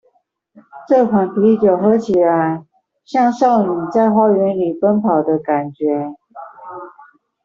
這款啤酒喝起來，像少女在花園裡奔跑的感覺